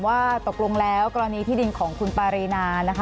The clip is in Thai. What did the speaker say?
ว่าตกลงแล้วกรณีที่ดินของคุณปารีนานะคะ